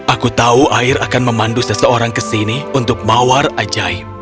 aku tahu air akan memandu seseorang ke sini untuk mawar ajaib